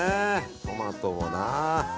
トマトもな。